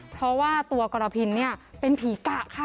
เพราะว่าตัวกรปินเป็นภีกะค่ะ